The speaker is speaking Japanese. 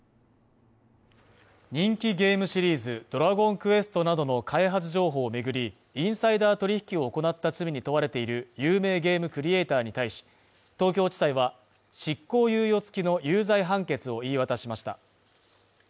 人気ゲームシリーズ「ドラゴンクエスト」などの開発情報を巡り、インサイダー取引を行った罪に問われている有名ゲームクリエイターに対し、東京地裁は執行猶予付きの有罪判決を言い渡しました。